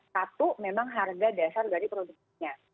satu memang harga dasar dari produksinya